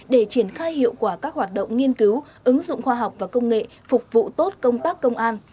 để triển khai hiệu quả các hoạt động nghiên cứu ứng dụng khoa học và công nghệ phục vụ tốt công tác công an